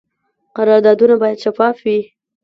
قراردادونه باید شفاف وي